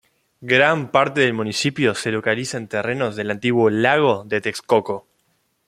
Gran parte del municipio se localiza en terrenos del antiguo Lago de Texcoco.